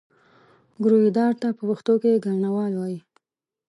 ګرويدار ته په پښتو کې ګاڼهوال وایي.